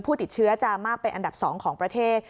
ผู้ติดเชื้อจะมากเป็นอันดับ๒ของประเทศ